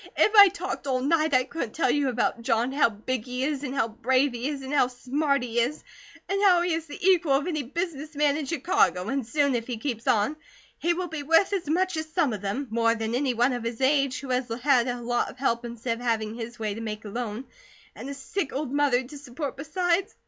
"If I talked all night I couldn't tell you about John. How big he is, and how brave he is, and how smart he is, and how he is the equal of any business man in Chicago, and soon, if he keeps on, he will be worth as much as some of them more than any one of his age, who has had a lot of help instead of having his way to make alone, and a sick old mother to support besides.